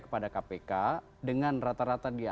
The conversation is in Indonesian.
kepada kpk dengan rata rata dia